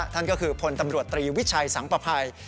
ท่านก็คือพลตำรวจตรีวิชัยสังประภัย